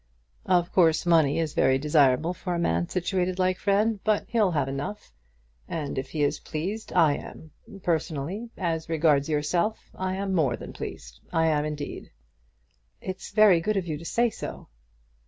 "Of course money is very desirable for a man situated like Fred; but he'll have enough, and if he is pleased, I am. Personally, as regards yourself, I am more than pleased. I am indeed." "It's very good of you to say so."